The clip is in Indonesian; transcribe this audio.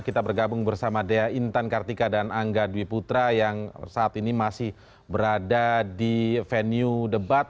kita bergabung bersama dea intan kartika dan angga dwi putra yang saat ini masih berada di venue debat